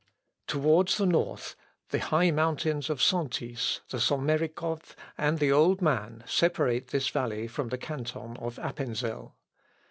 Towards the north, the high mountains of Sentis, the Sommerigkopf, and the Old Man, separate this valley from the canton of Appenzel.